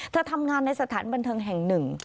ทำงานในสถานบันเทิงแห่งหนึ่ง